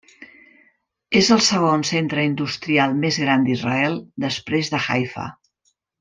És el segon centre industrial més gran d'Israel després de Haifa.